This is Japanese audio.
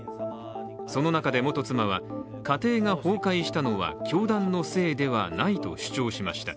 その中で元妻は、家庭が崩壊したのは教団のせいではないと主張しました。